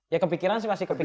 ya kepikiran sih pasti kepikir